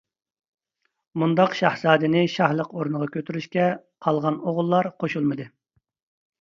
مۇنداق شاھزادىنى شاھلىق ئورنىغا كۆتۈرۈشكە قالغان ئوغۇللار قوشۇلمىدى.